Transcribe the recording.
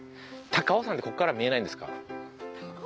高尾山ってここからは見えないんですか？